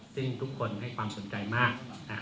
ซึ่งทุกคนให้ความสนใจมาก